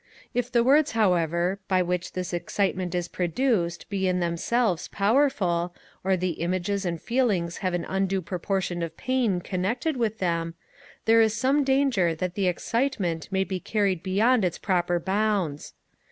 If the words, however, by which this excitement is produced be in themselves powerful, or the images and feelings have an undue proportion of pain connected with them, there is some danger that the excitement may be carried beyond its proper bounds.